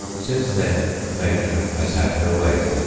Since then nature has had her way with it.